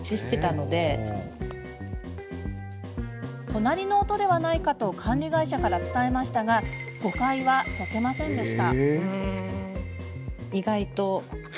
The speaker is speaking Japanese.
隣の音ではないかと管理会社から伝えましたが誤解は解けませんでした。